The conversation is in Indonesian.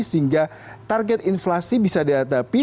sehingga target inflasi bisa dihadapi